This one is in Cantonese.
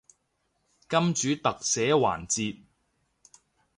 金主特寫環節